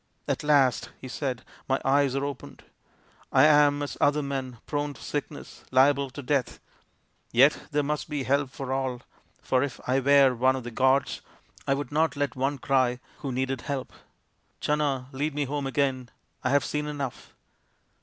" At last," he said, " my eyes are opened. I am as other men, prone to sickness, liable to death. Yet there must be help for all, for if I were one of the gods I would not let one cry who THE PRINCE WONDERFUL 177 needed help. Channa, lead me home again. I have seen enough."